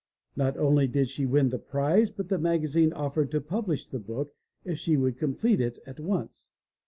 Not only did she win the prize but the magazine offered to publish the book if she would complete it at once.